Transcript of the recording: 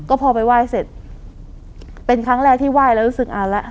ก็พอไปไหว้เสร็จเป็นครั้งแรกที่ไหว้แล้วรู้สึกอ่านแล้ว